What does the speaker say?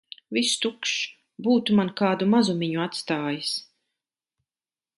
Viss tukšs. Būtu man kādu mazumiņu atstājis!